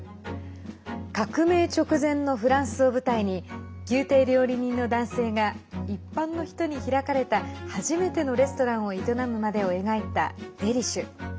革命直前のフランスを舞台に宮廷料理人の男性が一般の人に開かれた初めてのレストランを営むまでを描いた「デリシュ！」。